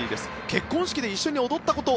結婚式で一緒に踊ったこと